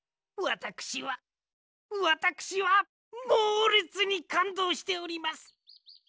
わたくしはわたくしはもうれつにかんどうしております。